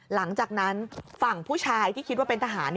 หลังจากนั้นฝั่งผู้ชายที่คิดว่าเป็นทหาร